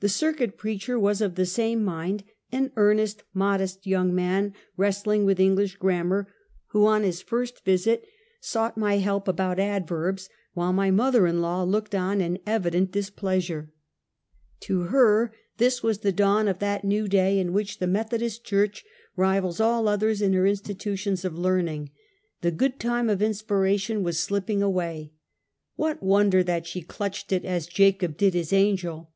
The circuit preacher was of the same mind, an earnest, modest, young man, wrestling with English grammar,, who on his first visit sought my help about adverbs, while my mother in law looked on in evident displeasure. 6 82 Half a Centuey. To her this was the dawn of that new day, in which the Methodist church rivals all others in her institu tions of learning. The good time of inspiration was slipping away. What wonder that she clutched it as Jacob did his angel?